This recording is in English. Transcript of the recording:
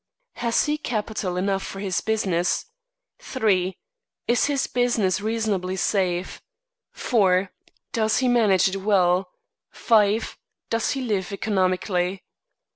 Has he capital enough for his business? 3. Is his business reasonably safe? 4. Does he manage it well? 5. Does he live economically?